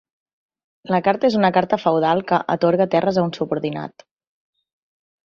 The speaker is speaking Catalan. La carta és una carta feudal que atorga terres a un subordinat.